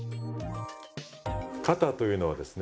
肩というのはですね